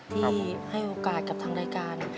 ที่ให้โอกาสกับทางรายการ